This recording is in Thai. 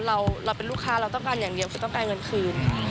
เราเป็นลูกค้าเราต้องการอย่างเดียวคือต้องการเงินคืน